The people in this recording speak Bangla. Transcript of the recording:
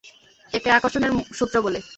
একে আকর্ষণের সুত্র বলে।